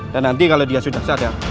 nanti kalau dia sudah sadar